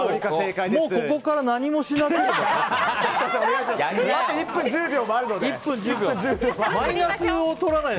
もうここから何もしなくてもいい。